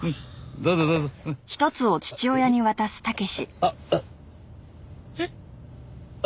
あっ。えっ？